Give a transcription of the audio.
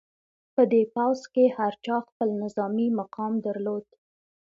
په دې پوځ کې هر چا خپل نظامي مقام درلود.